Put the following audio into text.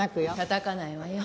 たたかないわよ。